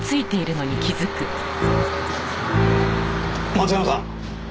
松山さん！